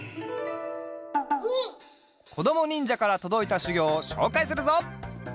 こどもにんじゃからとどいたしゅぎょうをしょうかいするぞ。